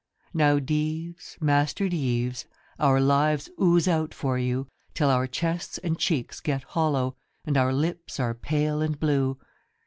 ' Now Dives, Master Dives, Our lives ooze out for you, Till our chests and cheeks get hollow, And our lips are pale and blue.'